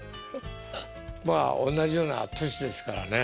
まあおんなじような年ですからね。